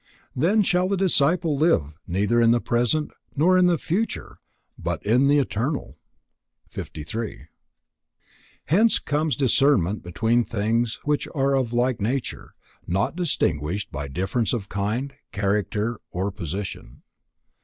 Then shall the disciple live neither in the present nor the future, but in the Eternal. 53. Hence comes discernment between things which are of like nature, not distinguished by difference of kind, character or position.